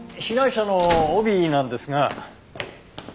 被害者の帯なんですが。